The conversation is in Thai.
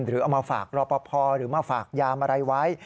เอามาฝากรอปภหรือมาฝากยามอะไรไว้